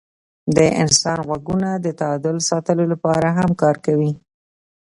د انسان غوږونه د تعادل ساتلو لپاره هم کار کوي.